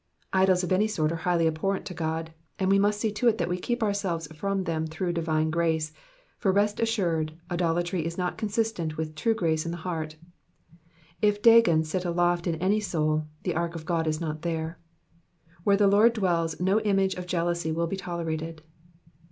Idols of any sort are highly abhorrent to God, and we must see to it that we keep ourselves from them through divine grace, for rest assured idolatry is not consistent witii^^ true grace in the heart. If Dagon sit aloft in any soul, the ark of God is not there. Where the Lord dwells no image of jealousy will be tolerated.